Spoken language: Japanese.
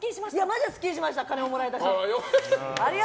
マジですっきりしました金ももらえたし。